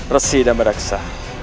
resi dan beraksa